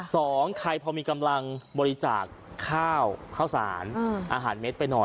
สองใครพอมีกำลังบริจาคข้าวข้าวสารอาหารเม็ดไปหน่อย